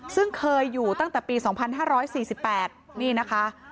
ซึ่งเคยอยู่ตั้งแต่ปีสองพันห้าร้อยสี่สิบแปดนี่นะคะ